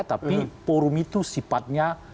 tapi forum itu sifatnya